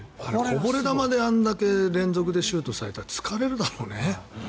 こぼれ球であれだけ連続でシュートされたら疲れるだろうね。